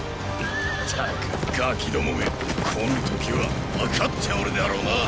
ったくガキどもめ。来ぬ時は分かっておるであろうな！